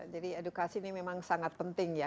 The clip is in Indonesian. jadi edukasi ini memang sangat penting ya